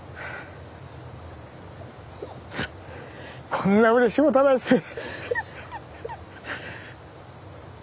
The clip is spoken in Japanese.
こんなうれしいことはないですね。